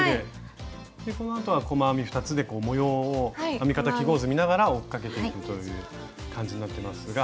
このあとは細編み２つで模様を編み方記号図見ながら追っかけていくという感じになってますが。